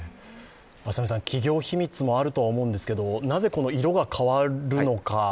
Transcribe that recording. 企業秘密もあるとは思うんですが、なぜ色が変わるのか。